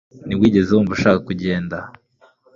ntiwigeze wumva ushaka kugenda